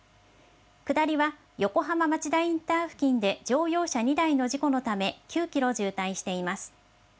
下りは横浜町田インター付近で乗用車２台の事故のため、９キロ渋滞しています。